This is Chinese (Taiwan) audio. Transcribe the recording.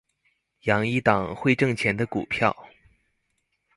養一檔會掙錢的股票